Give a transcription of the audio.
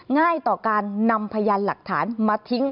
ง่ายต่อการนำพยานหลักฐานมาทิ้ง